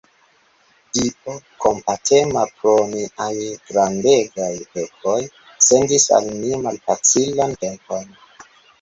Dio kompatema, pro niaj grandegaj pekoj, sendis al ni malfacilan tempon.